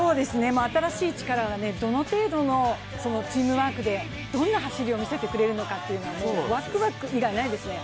新しい力をどの程度のチームワークでどんな走りを見せてくれるのかワクワク以外ないですね。